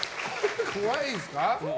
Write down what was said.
怖いですか？